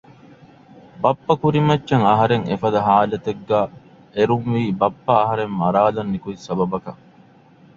ބައްޕަ ކުރިމައްޗަށް އަހަރެން އެފަދަ ހާލަތެއްގައި އެރުންވީ ބައްޕަ އަހަރެން މަރާލަން ނިކުތް ސަބަބަކަށް